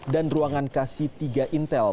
dan ruangan kasih tiga intel